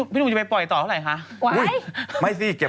พี่หนุ่มจะไปปล่อยต่อเท่าไหร่คะ